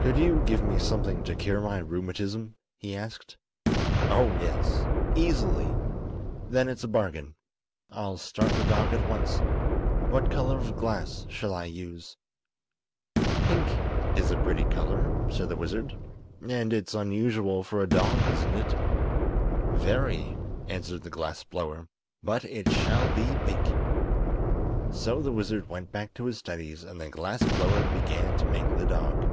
"Could you give me something to cure my rheumatism?" he asked. "Oh, yes; easily." "Then it's a bargain. I'll start the dog at once. What color of glass shall I use?" "Pink is a pretty color," said the wizard, "and it's unusual for a dog, isn't it?" "Very," answered the glass blower; "but it shall be pink." So the wizard went back to his studies and the glass blower began to make the dog.